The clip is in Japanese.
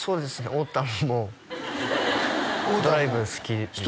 おーたんもドライブ好きです